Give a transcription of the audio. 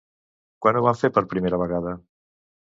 Quan ho va fer per primera vegada?